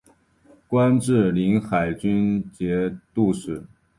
官至临海军节度使。